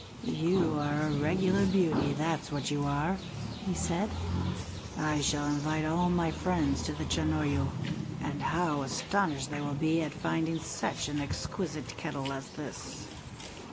"You are a regular beauty, that's what you are," he said; "I shall invite all my friends to the Chanoyu, and how astonished they will be at finding such an exquisite kettle as this!"